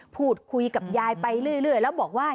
พูดคุยกับยายไปเรื่อยแล้วบอกว่า